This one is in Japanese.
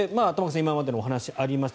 今までのお話がありました。